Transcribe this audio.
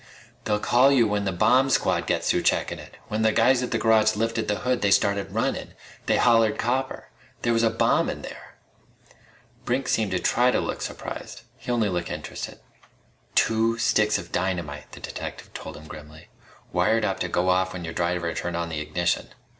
"They'll call you when the bomb squad gets through checkin' it! When the guys at the garage lifted the hood they started runnin'. Then they hollered copper. There was a bomb in there!" Brink seemed to try to look surprised. He only looked interested. "Two sticks of dynamite," the detective told him grimly, "wired up to go off when your driver turned on the ignition.